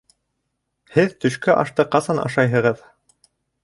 Һеҙ төшкө ашты ҡасан ашайһығыҙ?